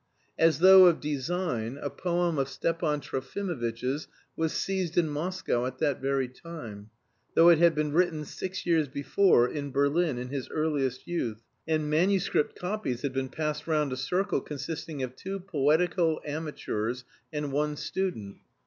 As though of design a poem of Stepan Trofimovitch's was seized in Moscow at that very time, though it had been written six years before in Berlin in his earliest youth, and manuscript copies had been passed round a circle consisting of two poetical amateurs and one student.